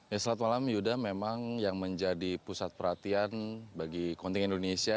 ya selamat malam yuda memang yang menjadi pusat perhatian bagi kontingen indonesia